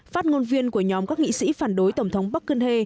phát ngôn viên của nhóm các nghị sĩ phản đối tổng thống park geun hye